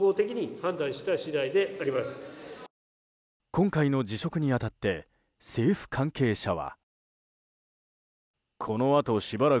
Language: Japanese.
今回の辞職に当たって政府関係者は。